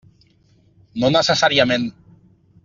No necessàriament.